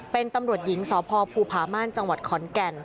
เป็นตำรวจหญิงสพภูผาม่านจังหวัดขอนแก่น